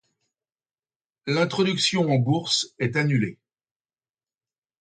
L'introduction en bourse est annulée.